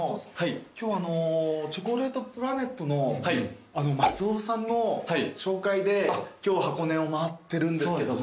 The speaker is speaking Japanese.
今日チョコレートプラネットの松尾さんの紹介で今日箱根を回ってるんですけども。